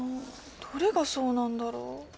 どれがそうなんだろう。